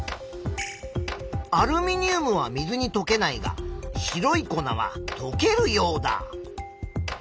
アルミニウムは水にとけないが白い粉はとけるヨウダ。